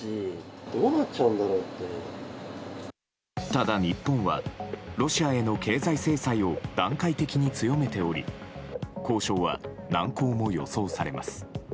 ただ、日本はロシアへの経済制裁を段階的に強めており交渉は難航も予想されます。